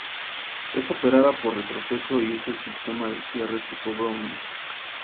Es operada por retroceso y usa el sistema de cierre tipo Browning.